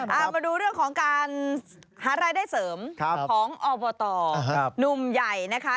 เอามาดูเรื่องของการหารายได้เสริมของอบตหนุ่มใหญ่นะคะ